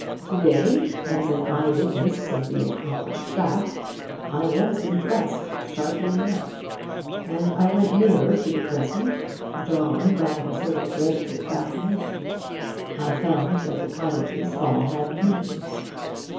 To day, as an eye witness of the accomplished fact, I was impressed, sharply enough, and I went nearer to the crescent, drawn by a sort of dreadful fascination. I found that the cottages all had names.